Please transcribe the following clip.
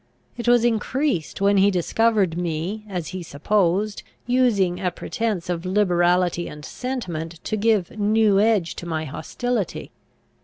It was increased when he discovered me, as he supposed, using a pretence of liberality and sentiment to give new edge to my hostility.